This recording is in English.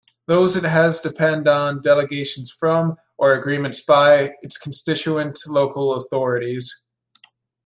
Those it has depend on delegations from, or agreements by, its constituent local authorities.